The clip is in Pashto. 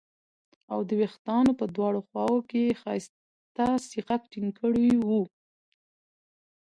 او د وېښتانو په دواړو خواوو کې یې ښایسته سیخک ټینګ کړي وو